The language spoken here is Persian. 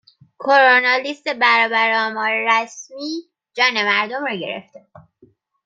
کرونا لیست برابر آمار رسمی جان مردم را گرفته